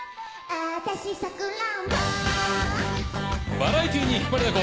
バラエティーに引っ張りだこ。